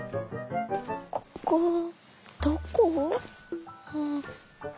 「ここどこ？」。